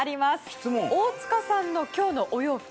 大塚さんの今日のお洋服